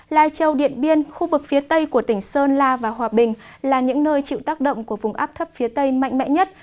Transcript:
lai châu điện biên khu vực phía tây của tỉnh sơn la và hòa bình là những nơi chịu tác động của vùng áp thấp phía tây mạnh mẽ nhất